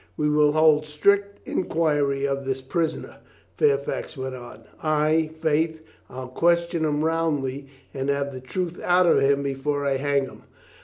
"We will hold strict inquiry of this prisoner," Fairfax went on. "Ay, faith, I'll question him roundly, and have the truth out of him before I hang him."